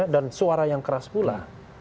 dan suara yang keras pula